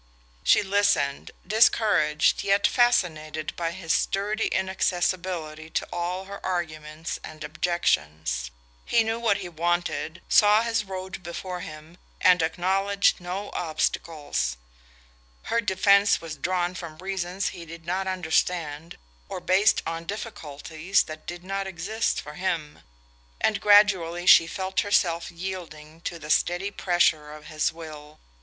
She listened, discouraged yet fascinated by his sturdy inaccessibility to all her arguments and objections. He knew what he wanted, saw his road before him, and acknowledged no obstacles. Her defense was drawn from reasons he did not understand, or based on difficulties that did not exist for him; and gradually she felt herself yielding to the steady pressure of his will.